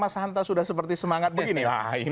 mas hanta sudah seperti semangat begini